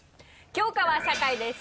教科は社会です。